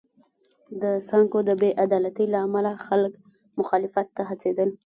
د سانکو د بې عدالتۍ له امله خلک مخالفت ته هڅېدل.